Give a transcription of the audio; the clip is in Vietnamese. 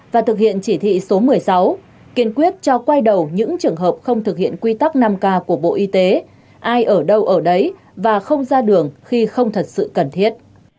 và thực hiện chỉ thị số một mươi sáu kiên quyết cho quay đầu những trường hợp không thực hiện quy tắc năm k của bộ y tế ai ở đâu ở đấy và không ra đường khi không thật sự cần thiết